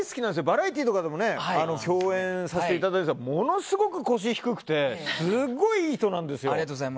バラエティーとかでも共演させていただいてものすごい腰低くてすごいいい人なんですよ。